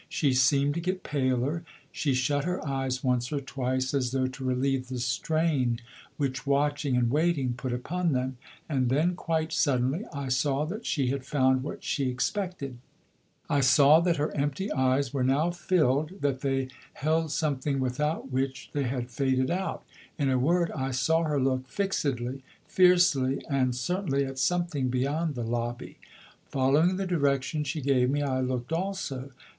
She seemed to get paler, she shut her eyes once or twice as though to relieve the strain which watching and waiting put upon them, and then, quite suddenly, I saw that she had found what she expected; I saw that her empty eyes were now filled, that they held something without which they had faded out. In a word, I saw her look fixedly, fiercely and certainly at something beyond the lobby. Following the direction she gave me, I looked also.